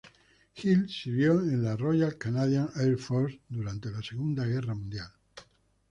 Hill sirvió en la Royal Canadian Air Force durante la Segunda Guerra Mundial.